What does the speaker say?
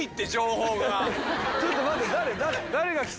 ちょっと待って。